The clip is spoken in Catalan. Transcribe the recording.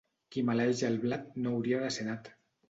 Qui maleeix el blat no hauria de ser nat.